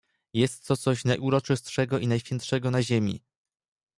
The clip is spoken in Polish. "Jest to coś najuroczystszego i najświętszego na ziemi!..."